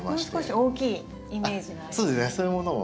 もう少し大きいイメージがあります。